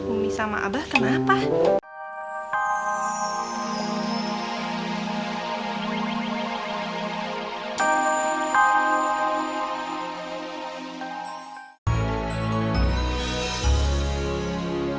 umi sama abah kenapa